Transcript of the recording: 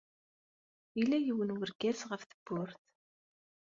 Yella yiwen n wergaz ɣef tewwurt.